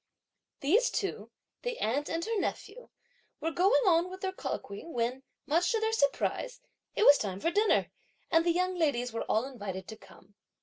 These two, the aunt and her nephew, were going on with their colloquy when, much to their surprise, it was time for dinner and the young ladies were all invited to come.